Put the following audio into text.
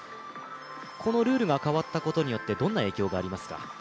このルールが変わったことによってどんな影響がありますか。